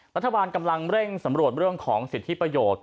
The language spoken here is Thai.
รัฐบาลกำลังเร่งสำรวจเรื่องของสิทธิประโยชน์